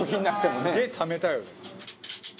「すげえためたよね」